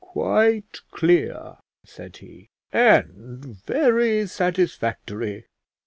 "Quite clear," said he, "and very satisfactory.